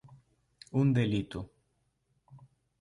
Un delito...